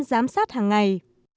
giám sát hàng ngày